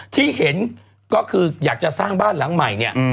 ที่เห็นก็คืออยากจะสร้างบ้านหลังใหม่เนี่ย